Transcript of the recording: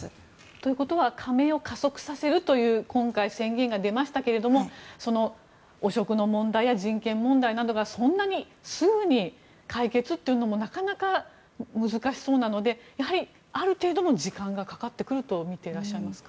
ということは加盟を加速させるという今回、宣言が出ましたけれども汚職の問題や人権問題などがそんなにすぐに解決というのもなかなか難しそうなのである程度の時間がかかってくるとみていらっしゃいますか。